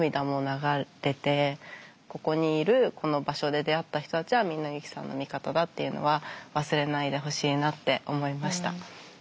ここにいるこの場所で出会った人たちはみんなユキさんの味方だっていうのは忘れないでほしいなって思いました。